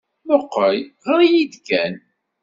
Mmuqqel, ɣer-iyi-d kan.